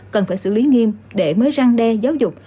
cần phải xử lý nghiêm để mới răng đe giáo dục